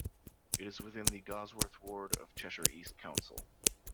It is within the Gawsworth Ward of Cheshire East Council.